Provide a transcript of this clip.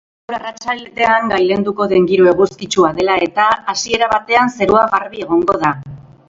Gaur arratsaldean gailenduko den giro eguzkitsua dela eta, hasiera batean zerua garbi egongo da.